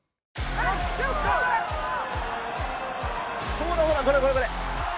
ほらほら、これこれこれ。